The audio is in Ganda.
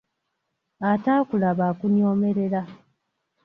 Ataakulaba akunyoomerera.